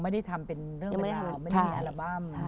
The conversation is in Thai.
ไม่ได้คินอาละบัม